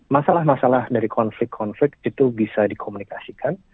masalah masalah dari konflik konflik itu bisa dikomunikasikan